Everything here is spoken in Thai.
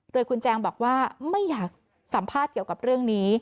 โดยคุณแจงบอกว่าไม่อยากสัมภาษณ์เกี่ยวกับเรื่องนี้